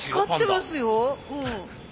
光ってますようん。